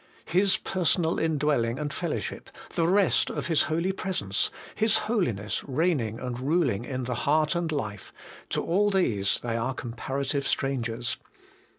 His personal indwelling and fellow ship, the rest of His Holy Presence, His Holiness reigning and ruling in the heart and life, to all these they are comparative strangers.